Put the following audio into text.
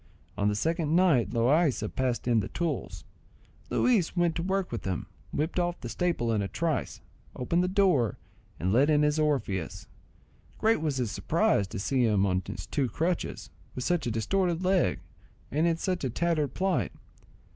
On the second night Loaysa passed in the tools, Luis went to work with them, whipped off the staple in a trice, opened the door, and let in his Orpheus. Great was his surprise to see him on his two crutches, with such a distorted leg, and in such a tattered plight.